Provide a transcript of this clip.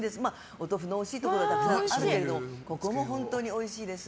お豆腐のおいしいところはたくさんあるけれどもここも本当においしいです。